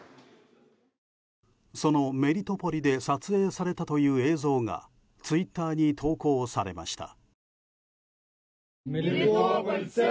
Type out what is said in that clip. そのメリトポリで撮影されたという映像がツイッターに投稿されました。